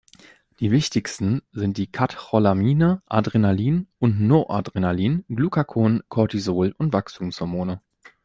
Die wichtigsten sind die Katecholamine Adrenalin und Noradrenalin, Glucagon, Cortisol und Wachstumshormone.